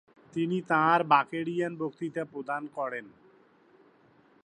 তিনি তাঁর বাকেরিয়ান বক্তৃতা প্রদান করেন।